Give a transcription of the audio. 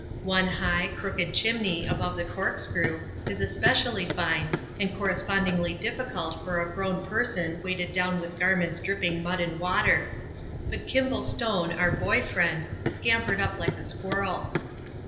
One high, crooked chimney above the Corkscrew is especially fine and correspondingly difficult for a grown person weighted down with garments dripping mud and water; but Kimball Stone, our boy friend, scampered up like a squirrel.